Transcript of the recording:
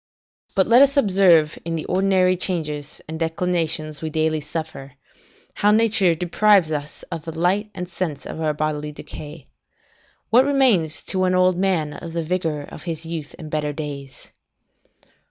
Let us but observe in the ordinary changes and declinations we daily suffer, how nature deprives us of the light and sense of our bodily decay. What remains to an old man of the vigour of his youth and better days?